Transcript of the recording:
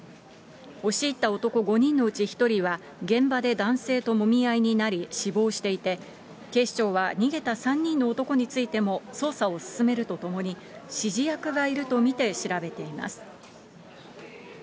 押し入った男５人のうち１人は、現場で男性ともみ合いになり、死亡していて、警視庁は逃げた３人の男についても捜査を進めるとともに、指示役がいると見て調べています。